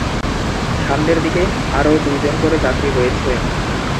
সামনের দিকে আরও দুই জন করে যাত্রী রয়েছে।